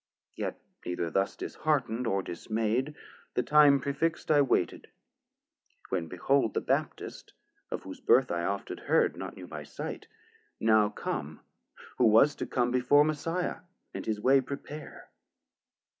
Yet neither thus disheartn'd or dismay'd, The time prefixt I waited, when behold The Baptist, (of whose birth I oft had heard, 270 Not knew by sight) now come, who was to come Before Messiah and his way prepare.